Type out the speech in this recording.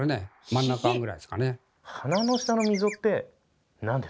真ん中ぐらいですかね。